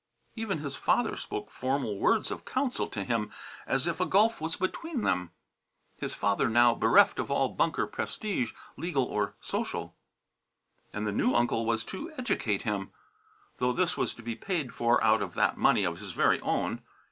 Even his father spoke formal words of counsel to him, as if a gulf was between them his father now bereft of all Bunker prestige, legal or social. And the new uncle was to "educate" him, though this was to be paid for out of that money of his very own.